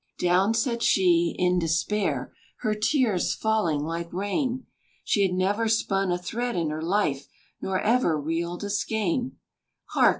Down sat she in despair, Her tears falling like rain: She had never spun a thread in her life, Nor ever reeled a skein! Hark!